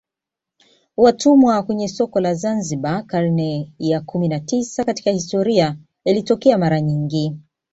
Watumwa kwenye soko la Zanzibar karne kumi na tisa Katika historia ilitokea mara nyingi